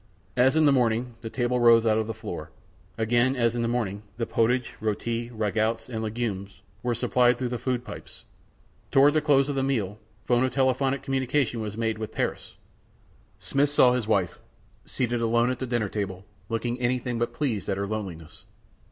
As in the morning, the table rose out of the floor. Again, as in the morning, the potage, r├┤ti, rago├╗ts, and legumes were supplied through the food pipes. Toward the close of the meal, phonotelephotic communication was made with Paris. Smith saw his wife, seated alone at the dinner table, looking anything but pleased at her loneliness.